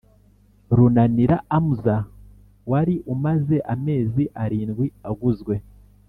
runanira amza wari umaze amezi arindwi aguzwe